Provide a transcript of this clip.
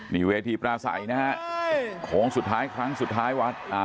นี่เวทีปราศัยนะครับของสุดท้ายครั้งสุดท้ายวัดอ่า